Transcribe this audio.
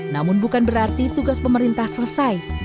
namun bukan berarti tugas pemerintah selesai